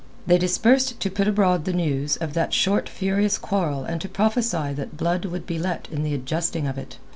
They dispersed to put abroad the news of that short furious quarrel and to prophesy that blood would be let in the adjusting of it.